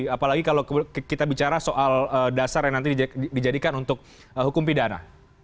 apalagi kalau kita bicara soal dasar yang nanti dijadikan untuk hukum pidana